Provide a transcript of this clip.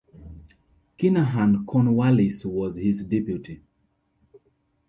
Kinahan Cornwallis was his deputy.